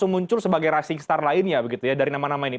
muncul sebagai rising star lainnya begitu ya dari nama nama ini